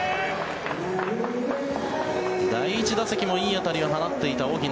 第１打席もいい当たりを放っていた荻野